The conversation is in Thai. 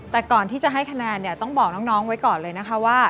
แต่ก่อนที่จะให้คะแนนเนี่ยต้องบอกน้องไว้ก่อนเลยนะคะว่า